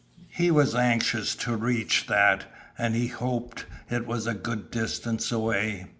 He was anxious to reach that, and he hoped it was a good distance away.